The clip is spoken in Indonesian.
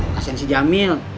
kasihin si jamil